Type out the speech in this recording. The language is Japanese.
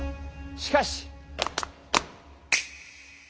しかし。